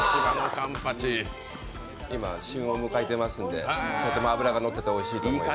今、旬を迎えていますので、とても脂がのっていておいしいと思います。